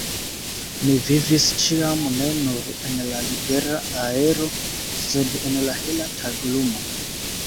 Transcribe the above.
Mi vivis ĉiam ne nur en la libera aero, sed en la hela taglumo.